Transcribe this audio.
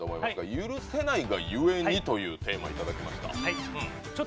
「許せないがゆえに」というテーマをいただきました。